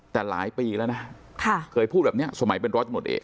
แต่หลายปีแล้วนะเคยพูดแบบนี้สมัยเป็นร้อยตำรวจเอก